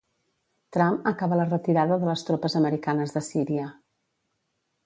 Trump acaba la retirada de les tropes americanes de Síria.